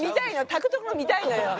炊くとこが見たいのよ。